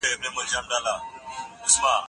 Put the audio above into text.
استاد باید له شاګرد سره مشوره وکړي.